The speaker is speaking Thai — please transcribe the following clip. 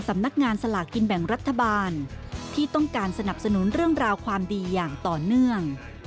มาคืนเขา